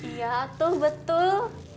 iya tuh betul